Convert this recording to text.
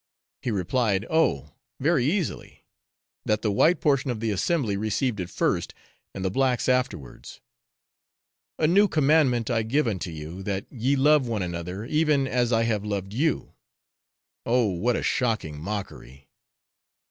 He replied, Oh! very easily; that the white portion of the assembly received it first, and the blacks afterwards. 'A new commandment I give unto you, that ye love one another, even as I have loved you.' Oh, what a shocking mockery!